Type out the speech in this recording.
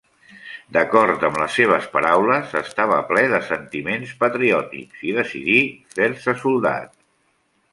D'acord amb les seves paraules, estava ple de sentiments patriòtics i decidí fer-se soldat.